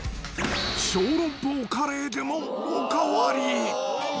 小籠包カレーでもお代わり。